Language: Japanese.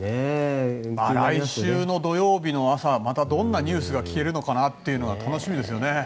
来週の土曜日の朝はまたどんなニュースが聞けるのか楽しみですね。